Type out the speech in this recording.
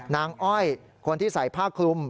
อ้อยคนที่ใส่ผ้าคลุม